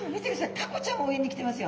タコちゃんも上に来てますよ。